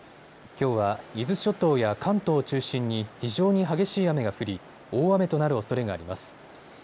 きょうは伊豆諸島や関東を中心に非常に激しい雨が降り大雨となるおそれがあります。